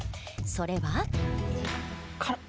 それは。